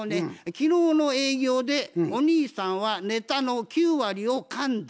昨日の営業でお兄さんはネタの９割をかんだ。